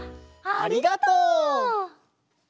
ありがとう！